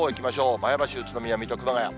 前橋、宇都宮、水戸、熊谷。